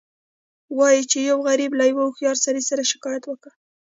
وایي چې یو غریب له یو هوښیار سړي سره شکایت وکړ.